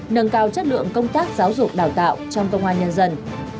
nâng cao chất lượng công tác giáo dục đào tạo trong công an nhân dân